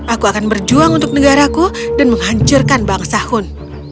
aku akan berjuang untuk negaraku dan menghancurkan bangsa hun